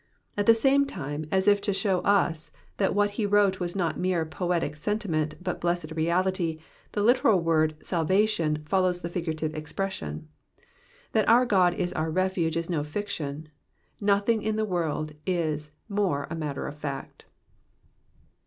At the same time, as if to show us that what he wrote was not mere poetic sentiment but blessed reality, the literal word ^^ salvation^ ^ follows the figurative expression : that our God is our refuge is no fiction, nothing in the world is more a matter of fact.